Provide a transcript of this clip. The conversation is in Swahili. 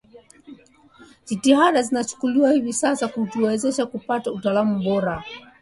Jitihada zinachukuliwa hivi sasa kuwawezesha kupata utaalamu bora